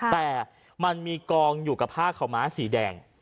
แต่มันมีกองอยู่กับผ้าขาวม้าสีแดง